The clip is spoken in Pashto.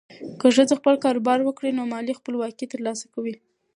که ښځه خپل کاروبار وکړي، نو مالي خپلواکي ترلاسه کوي.